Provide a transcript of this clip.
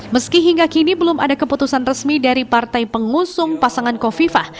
meski hingga kini belum ada keputusan resmi dari partai pengusung pasangan kofifah